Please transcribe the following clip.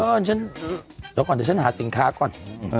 ฉันเดี๋ยวก่อนเดี๋ยวฉันหาสินค้าก่อน